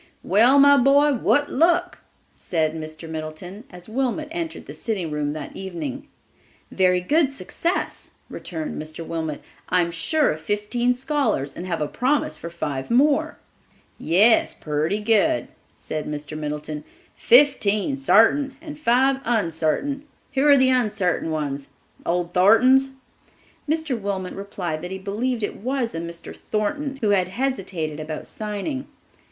"Well, my boy, what luck?" said Mr. Middleton, as Wilmot entered the sitting room that evening. "Very good success," returned Mr. Wilmot; "I am sure of fifteen scholars and have a promise for five more." "Yes, pretty good," said Mr. Middleton; "fifteen sartin, and five unsartin. Who are the unsartin ones?—old Thornton's?" Mr. Wilmot replied that he believed it was a Mr. Thornton who had hesitated about signing.